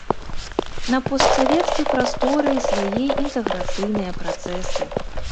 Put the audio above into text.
На постсавецкай прасторы свае інтэграцыйныя працэсы.